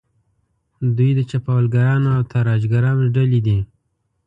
دوی د چپاولګرانو او تاراجګرانو ډلې دي.